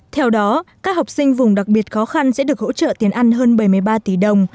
theo đó các học sinh vùng đặc biệt khó khăn sẽ được hỗ trợ tiền ăn hơn bảy mươi ba tỷ đồng